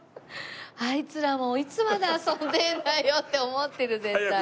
「あいつらもういつまで遊んでるんだよ」って思ってる絶対。